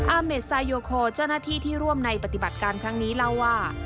อาเมดไซโยโคเจ้าหน้าที่ที่ร่วมในปฏิบัติการครั้งนี้เล่าว่า